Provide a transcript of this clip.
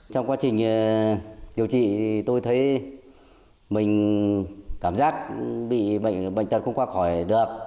trong quá trình điều trị tôi thấy mình cảm giác bị bệnh tật không qua khỏi được